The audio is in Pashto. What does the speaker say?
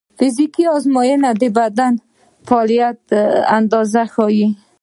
فزیکي ازموینې د بدن د فعالیت اندازه ښيي.